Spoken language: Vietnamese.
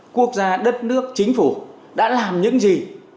quốc gia đất nước chính phủ đã làm những gì